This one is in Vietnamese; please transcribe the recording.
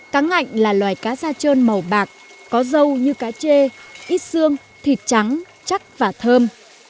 cá ngạnh là loài cá da trơn màu bạc có dâu như cá chê ít xương thịt trắng chắc và thơm